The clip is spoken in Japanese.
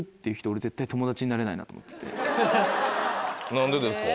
何でですか？